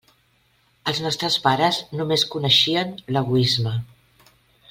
Els nostres pares només coneixien l'egoisme.